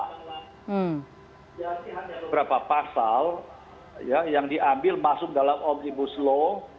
ada beberapa pasal yang diambil masuk dalam omnibus law